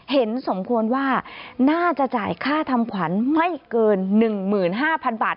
เห็นสมควรว่าน่าจะจ่ายค่าทำขวัญไม่เกิน๑๕๐๐๐บาท